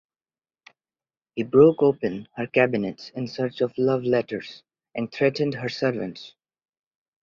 He broke open her cabinets in search of love letters and threatened her servants.